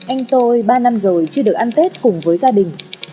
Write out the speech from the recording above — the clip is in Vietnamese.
anh tôi ba năm rồi chưa được ăn tết cùng với gia đình